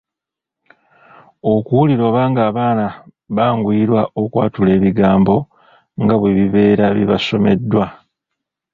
Okuwulira oba ng’abaana banguyirwa okwatula ebigambo nga bwe bibeera bibasomeddwa.